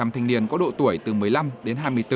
một mươi thanh niên có độ tuổi từ một mươi năm đến hai mươi bốn